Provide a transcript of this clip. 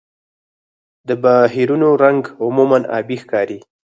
د بحرونو رنګ عموماً آبي ښکاري.